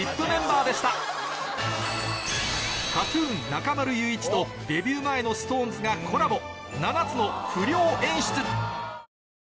ＫＡＴ−ＴＵＮ ・中丸雄一とデビュー前の ＳｉｘＴＯＮＥＳ がコラボ